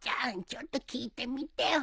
ちょっと聞いてみてよ。